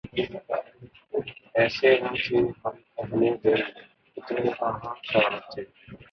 ایسے نہ تھے ہم اہلِ دل ، اتنے کہاں خراب تھے